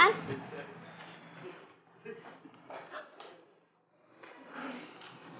oh alah apaan sih